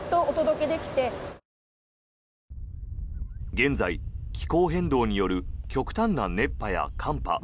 現在、気候変動による極端な熱波や寒波